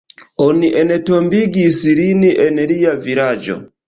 Oni entombigis lin en lia vilaĝo.